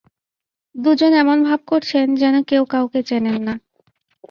দু জন এমন ভাব করছেন, যেন কেউ কাউকে চেনেন না।